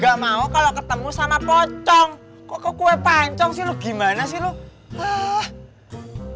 gua paling kagak mau kalau ketemu sama pocong kok kue pancong sih lu gimana sih lu hah